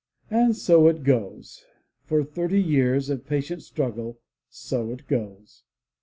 And so it goes. For thirty years of patient struggle, so it goes.